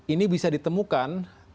ini bisa ditemukan